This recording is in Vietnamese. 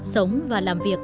sống và làm việc